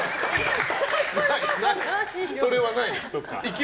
それはない。